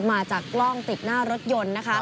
มาจากกล้องติดหน้ารถยนต์นะคะ